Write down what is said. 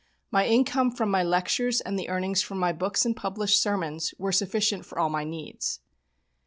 My income from my lectures, and the earnings from my books and published sermons, were sufficient for all my needs.